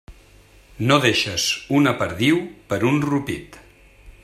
No deixes una perdiu per un ropit.